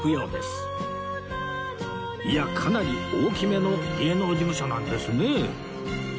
いやかなり大きめの芸能事務所なんですね